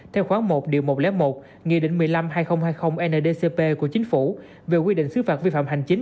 theo khoảng một một trăm linh một nghị định một mươi năm hai nghìn hai mươi ndcp của chính phủ về quy định xứ phạt vi phạm hành chính